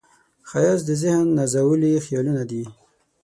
ښایست د ذهن نازولي خیالونه دي